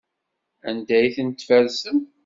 Anda ay ten-tfersem?